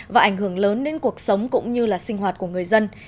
và ảnh hưởng lớn đến cuộc sống cũng như là sinh hoạt của người dân